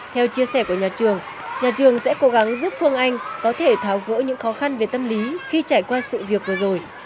theo chia sẻ của nhà trường nhà trường sẽ cố gắng giúp phương anh có thể tháo gỡ những khó khăn về tâm lý khi trải qua sự việc vừa rồi